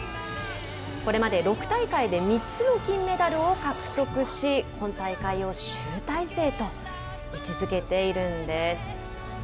これまで６大会で３つの金メダルを獲得し今大会を集大成と位置づけているんです。